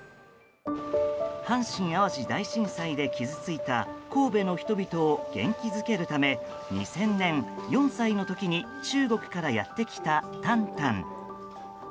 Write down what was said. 阪神・淡路大震災で傷ついた神戸の人々を元気づけるため２０００年４歳の時に中国からやってきたタンタン。